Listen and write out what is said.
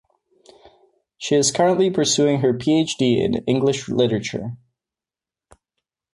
She is currently pursuing her PhD in English Literature.